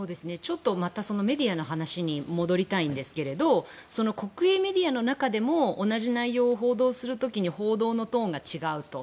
またメディアの話に戻りたいんですけれども国営メディアの中でも同じ内容を報道する時に報道のトーンが違うと。